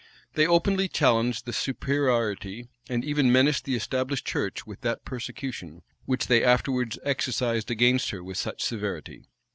They openly challenged the superiority, and even menaced the established church with that persecution which they afterwards exercised against her with such severity.